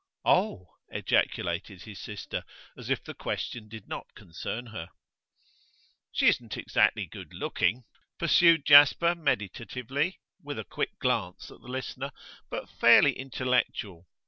'Oh!' ejaculated his sister, as if the question did not concern her. 'She isn't exactly good looking,' pursued Jasper, meditatively, with a quick glance at the listener, 'but fairly intellectual.